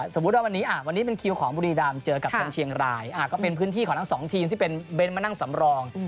สมมุติว่าวันนี้วันนี้เป็นคิวของบุรีดำเจอกับทางเชียงรายก็เป็นพื้นที่ของทั้งสองทีมที่เป็นเบนท์มานั่งสำรอง